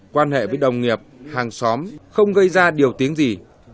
quan hệ với đồng nghiệp hàng xóm không gây ra điều tiếng gì